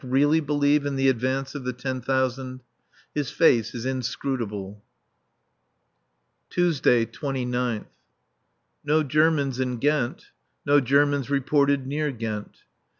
really believe in the advance of the ten thousand? His face is inscrutable. [Tuesday, 29th.] No Germans in Ghent. No Germans reported near Ghent.